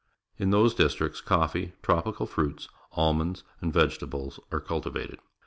In those districts, coffee, tropical fruits, almonds, and vegetables are cultivated.